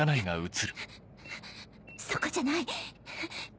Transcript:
そこじゃない。